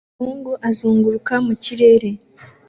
Umuhungu azunguruka mu kirere